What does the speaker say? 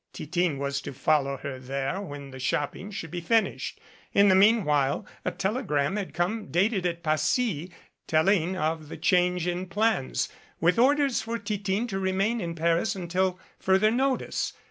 Titine was to follow her there when the shopping should be finished. In the meanwhile a telegram had come dated at Passy, telling of the change in plans, with orders for Titine to remain in Paris until further notice.